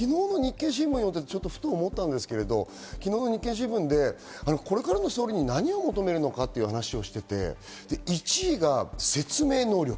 昨日、日経新聞を見てふと思ったんですけど、これからの総理に何を求めるのかっていうお話をしていて、１位が説明能力。